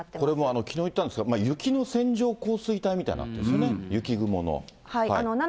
これもきのう言ったんですが、雪の線状降水帯みたいなね、雪雲の。